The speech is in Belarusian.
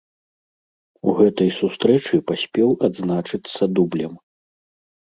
У гэтай сустрэчы паспеў адзначыцца дублем.